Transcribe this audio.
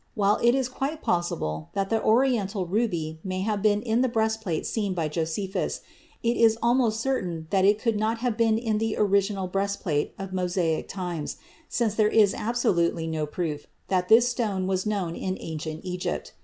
While it is quite possible that the Oriental ruby may have been in the breastplate seen by Josephus, it is almost certain that it could not have been in the original breastplate of Mosaic times, since there is absolutely no proof that this stone was known in ancient Egypt.